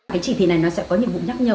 cái chỉ thị này nó sẽ có nhiệm vụ nhắc nhở